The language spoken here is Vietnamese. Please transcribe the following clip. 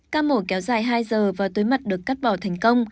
các mổ kéo dài hai giờ và túi mật được cắt bỏ thành công